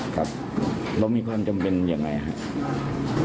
ครับเรามีความจำเป็นยังไงครับ